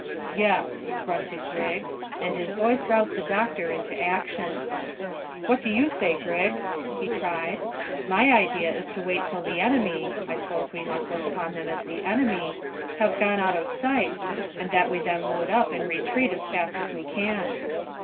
"Yes," grunted Griggs, and his voice roused the doctor into action. "What do you say, Griggs?" he cried. "My idea is to wait till the enemy I suppose we must look upon them as the enemy have gone out of sight, and that we then load up and retreat as fast as we can."